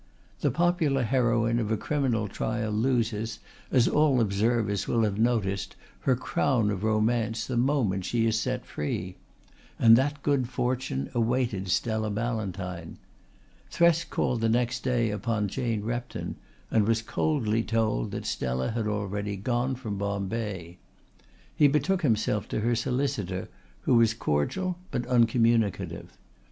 The popular heroine of a criminal trial loses, as all observers will have noticed, her crown of romance the moment she is set free; and that good fortune awaited Stella Ballantyne. Thresk called the next day upon Jane Repton and was coldly told that Stella had already gone from Bombay. He betook himself to her solicitor, who was cordial but uncommunicative.